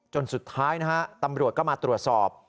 จนสุดท้ายนะฮะตำรวจก็มาตรวจสอบ